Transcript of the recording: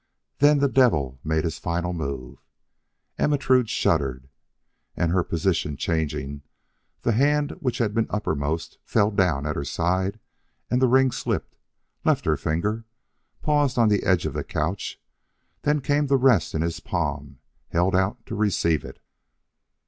Then the devil made his final move. Ermentrude shuddered, and her position changing, the hand which had been uppermost fell down at her side and the ring slipped left her finger paused on the edge of the couch then came to rest in his palm held out to receive it.